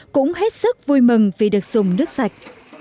cũng hết sức vui mừng vì được dùng nước sạch